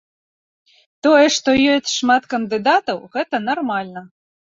Тое, што ёсць шмат кандыдатаў, гэта нармальна.